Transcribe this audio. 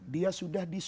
dia sudah disumpah